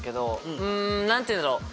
うん何て言うんだろう？